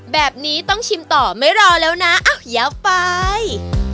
แบบนี้ต้องชิมต่อไม่รอแล้วนะอ้าวอย่าไป